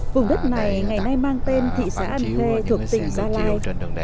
vùng đất này ngày nay mang tên thị xã an khê thuộc tỉnh gia lai